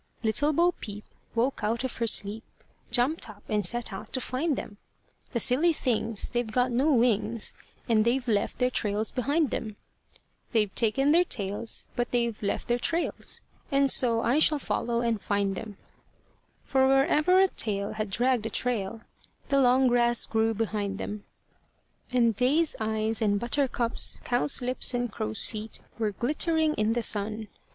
Little Bo Peep woke out of her sleep, Jump'd up and set out to find them: "The silly things, they've got no wings, And they've left their trails behind them: "They've taken their tails, but they've left their trails, And so I shall follow and find them;" For wherever a tail had dragged a trail, The long grass grew behind them. And day's eyes and butter cups, cow's lips and crow's feet Were glittering in the sun.